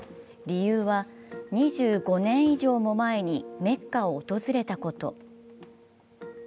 理由は２５年以上も前にメッカを訪れたこと。